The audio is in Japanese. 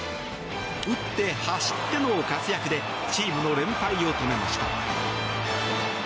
打って走っての活躍でチームの連敗を止めました。